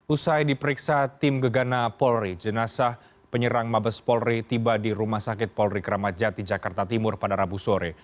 usai diperiksa tim gegana polri jenazah penyerang mabes polri tiba di rumah sakit polri kramat jati jakarta timur pada rabu sore